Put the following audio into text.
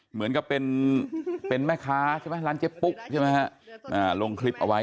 เหมือนกับเป็นแม่ค้าใช่ไหมร้านเจ๊ปุ๊กใช่ไหมฮะลงคลิปเอาไว้